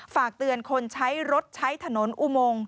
ฝากเตือนคนใช้รถใช้ถนนอุโมง